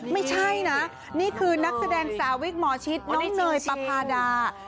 ไม่ใช่นะนี่คือนักแสดงสาวิกหมอชิดน้องเนยปภาดา